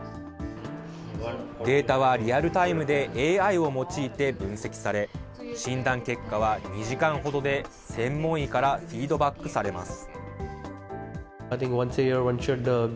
データはリアルタイムでＡＩを用いて分析され、診断結果は２時間ほどで専門医からフィードバックされます。